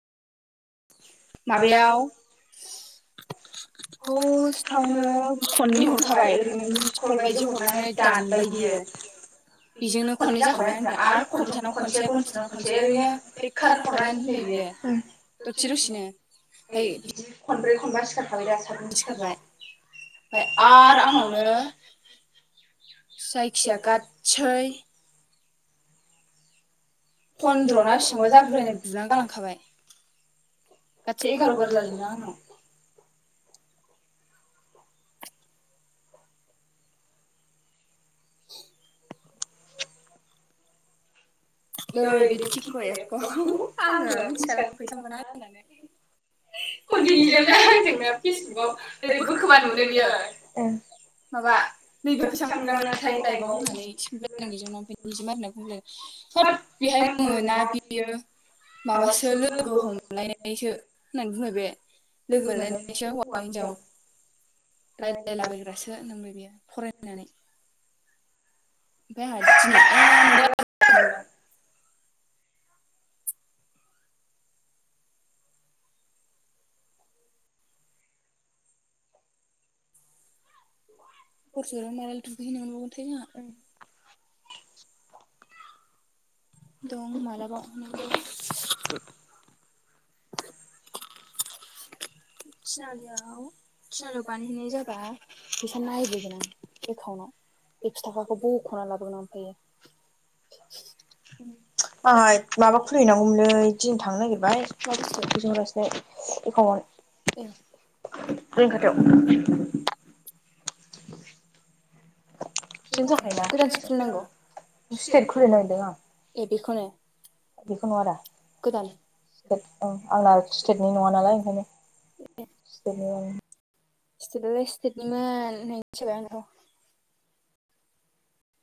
माबायाव खस्थावनो खननै हरखाबाय ओरैनो मिसखल बायदि हरनानै दानबाय बियो बेजोंनो खनै जाखाबाय आं आरो खबिथानाव खनसे कनजिथानाव खनसे ओरैनो बे खार हरनानै दोनदों बियो दसे दसेनो ओमफ्राय बिदि खनब्रै खनबा सिखारखाबाय दा थाबनो सिखारबाय आरो आंहाबो सायखिजाया गादसै फन्द्र ना बेसेबांबा जागुलायनाय बुना गालांखाबाय। गासै एगारबार जादों ना आंनाव [inaudible] नै बे थिखौ' एबख' आङो मिथिख फैसा मोना होननानै कन्टिनिउ जोब ज फेसबुकाव बोखोबानो मोनो बियो माबा नैबो फैसा मोनना मोनाथाय लाइफआव [unintelligible] [unintelligible] होद बिहाय मोना बियो माबासो लोगो हमलायनायसो होननानै बुंबाय बे लोगोलाय [unintelligible] नायला बायग्रासो नोंबो बियो फरायना ओमफ्राय [unintelligible] [unintelligible] हरस' मालला दुगैनो मोनबावोन आंहा दं मालाबा अनोबो द थिनालियाव थिनालियाव बानायहैनाय जाबा फैसा नायबोगोन आं एकाउन्टाव बे फि थाखाखौ बख'ना लाबोगोन आं ओमफायो आंहा माबा खुलिहैनांगौमोनलै बिदिन थांनो नागिरबाय जालासोलाय एखावन ऐ जों खाथियाव [inaudible] गोदान सो खुलि नांगौ स्तेत खुलि नांगौनो ऐ बेखौनो गोदान ओ आंना स्टेट नि नङा नालाय ओंखायनो स्टेटनिओं स्टेत आलाय स्टेतनिमोन मिथिला आंथ'